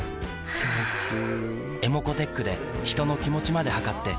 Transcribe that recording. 気持ちいい。